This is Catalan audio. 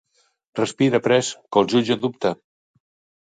Respira, pres, que el jutge dubta.